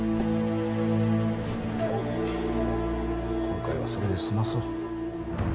今回はそれで済まそう。